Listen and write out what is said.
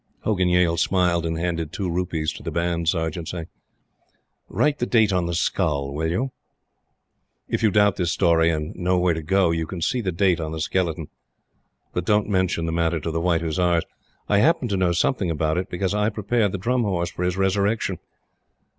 Hogan Yale smiled and handed two rupees to the Band Sergeant, saying: "Write the date on the skull, will you?" If you doubt this story, and know where to go, you can see the date on the skeleton. But don't mention the matter to the White Hussars. I happen to know something about it, because I prepared the Drum Horse for his resurrection.